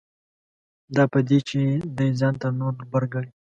دا په دې چې دی ځان تر نورو بر ګڼي.